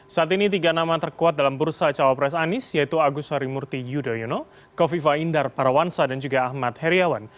saat ini tiga nama terkuat dalam bursa cawapres anies yaitu agus harimurti yudhoyono kofifa indar parawansa dan juga ahmad heriawan